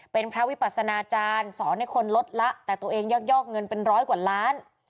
เป็นพระวิปัสนาจารย์สอนให้คนลดละแต่ตัวเองยักยอกเงินเป็นร้อยกว่าล้าน